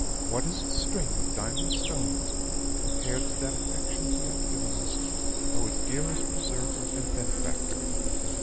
"What is a string of diamond stones compared to that affection he hath given us our dearest preserver and benefactor?